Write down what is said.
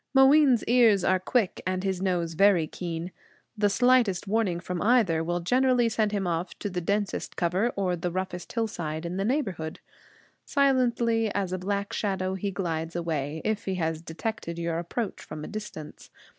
Mooween's ears are quick, and his nose very keen. The slightest warning from either will generally send him off to the densest cover or the roughest hillside in the neighborhood. Silently as a black shadow he glides away, if he has detected your approach from a distance.